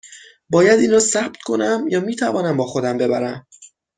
باید این را ثبت کنم یا می توانم با خودم ببرم؟